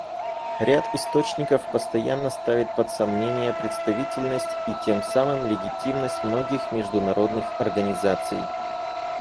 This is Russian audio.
Ряд источников постоянно ставит под сомнение представительность и, тем самым, легитимность многих международных организаций.